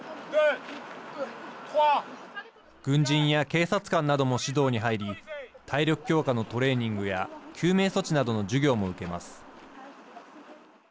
軍人や警察官なども指導に入り体力強化のトレーニングや救命措置などの授業も受けます。